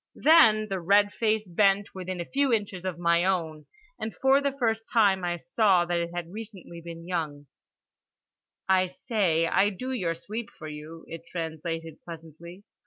Then the red face bent within a few inches of my own, and for the first time I saw that it had recently been young—"I say I do your sweep for you" it translated pleasantly.